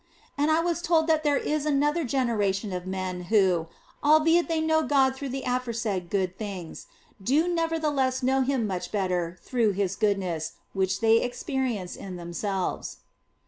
And I was told that there is another generation of men who, albeit they know God through the aforesaid good things, do nevertheless know Him much better through His good ness which they experience in themselves.